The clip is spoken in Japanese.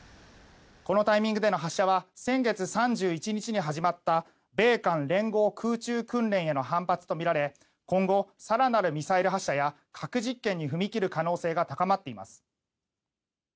このタイミングでの発射は先月３１日に始まった米韓連合空中訓練への反発とみられ今後、更なるミサイル発射や核実験に踏み切る可能性が高まっています。